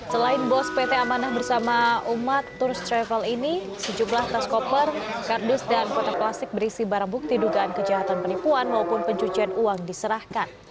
selain bos pt amanah bersama umat turs travel ini sejumlah tas koper kardus dan foto plastik berisi barang bukti dugaan kejahatan penipuan maupun pencucian uang diserahkan